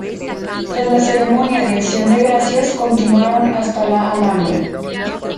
Tras la ceremonia de Acción de Gracias continuaron hasta la Alhambra.